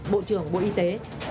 bộ trưởng bộ y tế